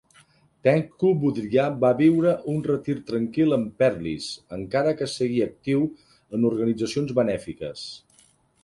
Tengku Budriah va viure un retir tranquil en Perlis, encara que seguia actiu en organitzacions benèfiques.